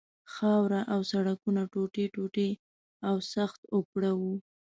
خاوره او سړکونه ټوټې ټوټې او سخت اوپړه وو.